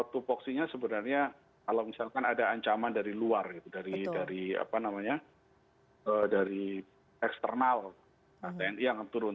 tupuksinya sebenarnya kalau misalkan ada ancaman dari luar dari eksternal tni akan turun